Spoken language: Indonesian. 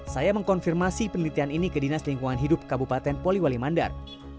saya mengkonfirmasi penelitian ini ke dinas lingkungan hidup kabupaten poliwali mandar